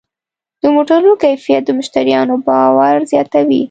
د موټرو کیفیت د مشتریانو باور زیاتوي.